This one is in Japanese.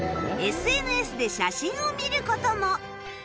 ＳＮＳ で写真を見る事も